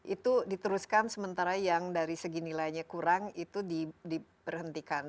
itu diteruskan sementara yang dari segi nilainya kurang itu diberhentikan